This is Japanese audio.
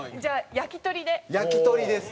「焼鳥」です。